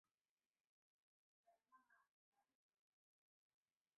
万历二年甲戌科第三甲第二百一十五名进士。